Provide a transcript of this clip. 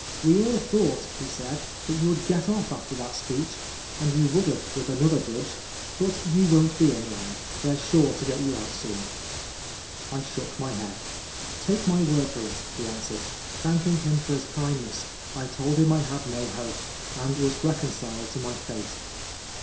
"We all thought," he said, " that you would get off after that speech — and you would have with another judge. But you won't be in long. They're sure to get you out soon." I shook my head. " Take my word for it," he answered. Thanking him for his kindness, I told him I had no hope, and was reconciled to my fate.